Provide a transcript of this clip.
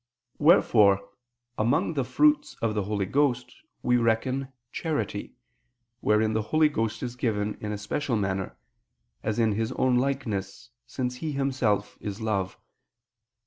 Wherefore among the fruits of the Holy Ghost, we reckon "charity," wherein the Holy Ghost is given in a special manner, as in His own likeness, since He Himself is love.